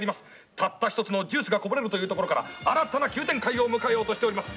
たった１つのジュースがこぼれるというところから新たな急展開を迎えようとしております。